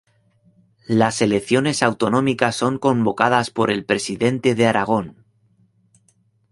Las elecciones autonómicas son convocadas por el presidente de Aragón.